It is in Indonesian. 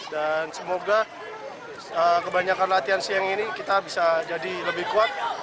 dan semoga kebanyakan latihan siang ini kita bisa jadi lebih kuat